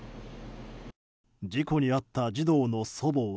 事故に遭った児童の祖母は。